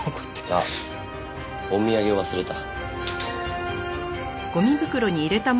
あっお土産忘れた。